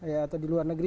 ya atau di luar negeri